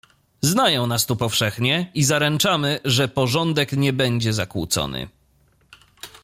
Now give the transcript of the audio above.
"Znają nas tu powszechnie i zaręczamy, że porządek nie będzie zakłócony."